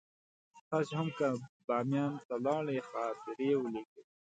تاسې هم که بامیان ته لاړئ خاطرې ولیکئ.